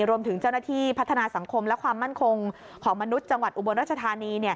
รวมถึงเจ้าหน้าที่พัฒนาสังคมและความมั่นคงของมนุษย์จังหวัดอุบลรัชธานี